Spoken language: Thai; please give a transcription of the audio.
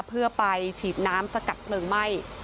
เพื่อไปฉีดน้ำสกัดเพลิงไหม้